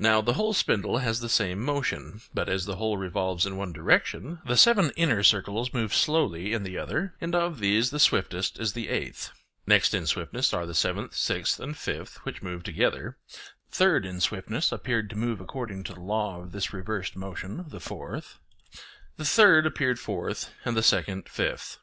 Now the whole spindle has the same motion; but, as the whole revolves in one direction, the seven inner circles move slowly in the other, and of these the swiftest is the eighth; next in swiftness are the seventh, sixth, and fifth, which move together; third in swiftness appeared to move according to the law of this reversed motion the fourth; the third appeared fourth and the second fifth.